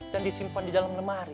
dan disimpan di dalam lemari